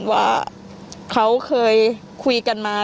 ว่าเขาเคยคุยกันมา